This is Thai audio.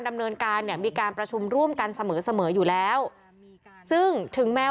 ดำเนินการเนี่ยมีการประชุมร่วมกันเสมอเสมออยู่แล้วซึ่งถึงแม้